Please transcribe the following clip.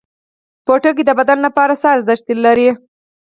پوټکی د بدن لپاره څه ارزښت لري؟